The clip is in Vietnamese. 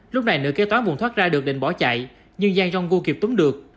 lúc này nữ kế toán buồn thoát ra được định bỏ chạy nhưng giang jong gu kịp túng được